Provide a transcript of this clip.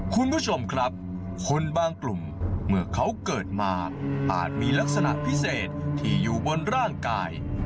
คุณผู้ชมครับคนบางกลุ่มเมื่อเขาเกิดมาอาจมีลักษณะพิเศษที่อยู่บนร่างกาย